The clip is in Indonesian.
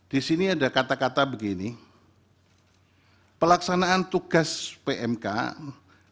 di sini ada kata kata begini pelaksanaan tugas pmk dimaksudkan untuk memberikan dukungan pelaksanaan tugas pmk